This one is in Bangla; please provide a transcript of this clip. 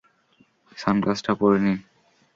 সানগ্লাসটা পড়ে নিন।